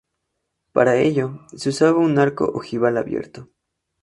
Para ello, se usaba un arco ojival abierto.